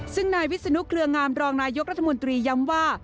ซึ่งนายวิศนุเครืองามรองนายกรัฐมนตรีย้ำว่า